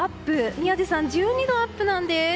宮司さん、１２度アップなんです。